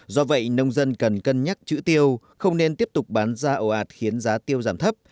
do vậy nông dân cần cân nhắc chữ tiêu không nên tiếp tục bán ra ồ ạt khiến giá tiêu giảm thấp